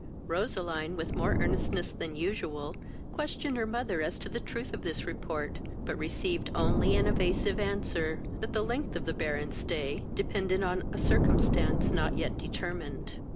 Roseline, with more earnestness than usual, questioned her mother as to the truth of this report, but received only an evasive answer, that the length of the Baron's stay depended on a circumstance not yet determined.